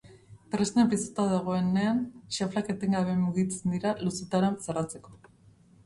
Tresna piztuta dagoenean, xaflak etengabe mugitzen dira luzetara zerratzeko.